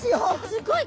すごい。